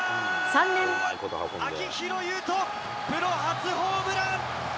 秋広優人、プロ初ホームラン。